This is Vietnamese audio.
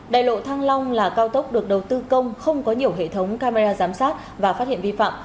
đại lộ thăng long là cao tốc được đầu tư công không có nhiều hệ thống camera giám sát và phát hiện vi phạm